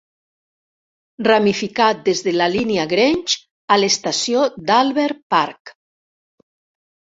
Ramificat des de la línia Grange a l'estació d'Albert Park.